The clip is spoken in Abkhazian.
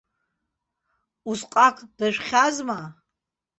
Усҟак дажәхьазма?